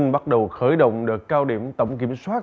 bắt đầu khởi động đợt cao điểm tổng kiểm soát